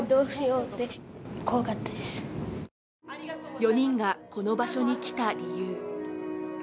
４人がこの場所に来た理由